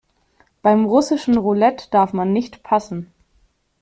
Beim russischen Roulette darf man nicht passen.